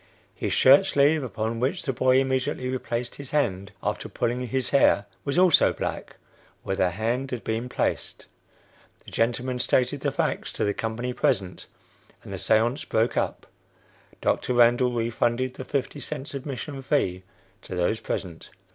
His shirt sleeve, upon which the boy immediately replaced his hand after pulling his hair, was also black where the hand had been placed. The gentleman stated the facts to the company present, and the seance broke up. Dr. Randall refunded the fifty cents admission fee to those present."